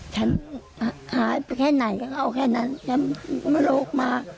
ฉันหาไปแค่ไหนก็เอาแค่นั้นฉันโรคมาก